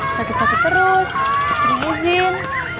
sakit sakit terus tak terizin